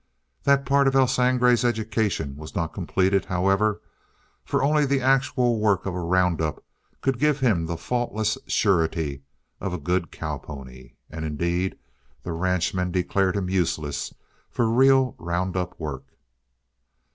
That part of El Sangre's education was not completed, however, for only the actual work of a round up could give him the faultless surety of a good cow pony. And, indeed, the ranchman declared him useless for real roundup work.